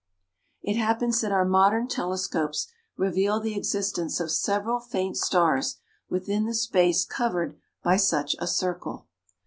It happens that our modern telescopes reveal the existence of several faint stars within the space covered by such a circle.